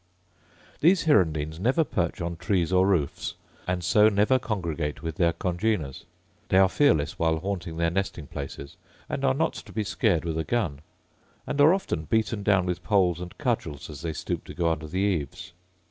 These hirundines never perch on trees or roofs, and so never congregate with their congeners. They are fearless while haunting their nesting places, and are not to be scared with a gun; and are often beaten down with poles and cudgels as they stoop to go under the eaves.